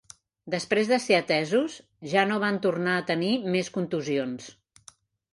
Després de ser atesos ja no van tornar a tenir més contusions.